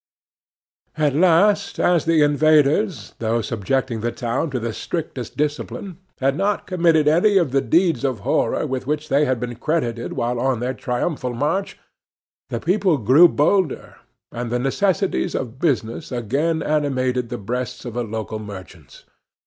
At last, as the invaders, though subjecting the town to the strictest discipline, had not committed any of the deeds of horror with which they had been credited while on their triumphal march, the people grew bolder, and the necessities of business again animated the breasts of the local merchants.